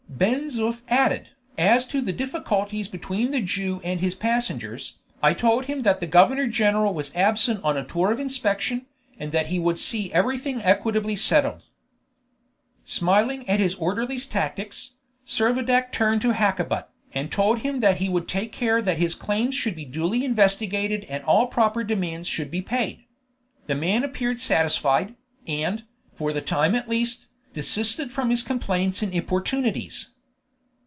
Ben Zoof added, "And as to the difficulties between the Jew and his passengers, I told him that the governor general was absent on a tour of inspection, and that he would see everything equitably settled." Smiling at his orderly's tactics, Servadac turned to Hakkabut, and told him that he would take care that his claims should be duly investigated and all proper demands should be paid. The man appeared satisfied, and, for the time at least, desisted from his complaints and importunities.